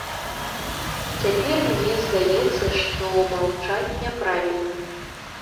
Цяпер мне здаецца, што маўчаць няправільна.